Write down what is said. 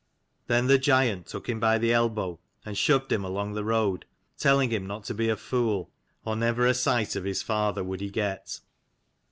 Then the giant took him by the elbow and shoved him along the road, telling him not to be a fool, or never a sight of his father would he get.